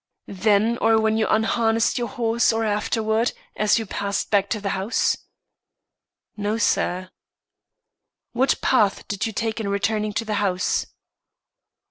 "Then or when you unharnessed your horse, or afterward, as you passed back to the house?" "No, sir." "What path did you take in returning to the house?"